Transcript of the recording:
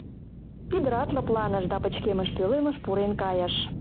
Ӱдырат лыпланыш да пычкемыш пӧлемыш пурен кайыш.